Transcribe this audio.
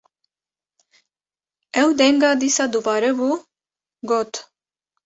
ew denga dîsa dubare bû, got: